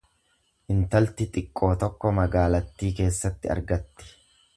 Intalti xiqqoo tokko magaalattii keessatti argatti.